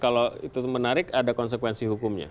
kalau itu menarik ada konsekuensi hukumnya